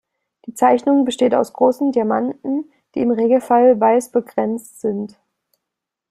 Die Zeichnung besteht aus großen Diamanten, die im Regelfall weiß begrenzt sind.